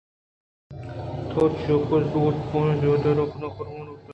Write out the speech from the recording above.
تو چینکہ زوت پہ آئی ءِ دیدار ءَ گنوک ءُارمانی بوت اِت